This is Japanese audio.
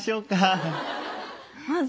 まず。